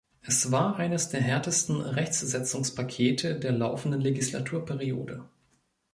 Es war eines der härtesten Rechtsetzungspakete der laufenden Legislaturperiode.